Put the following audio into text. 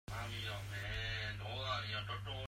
Lungthur khi a thur taktak maw?